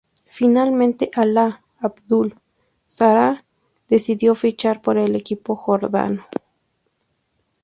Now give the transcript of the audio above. Finalmente Alaa Abdul-Zahra decidió fichar por el equipo jordano.